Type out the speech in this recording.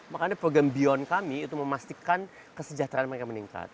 makanya program beyond kami itu memastikan kesejahteraan mereka meningkat